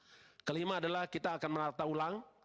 yang kelima adalah kita akan menata ulang